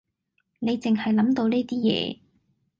你淨係諗到呢啲嘢